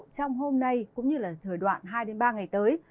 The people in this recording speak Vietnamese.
trong hôm nay cũng như là thời đoạn hai ba ngày tới